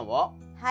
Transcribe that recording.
はい。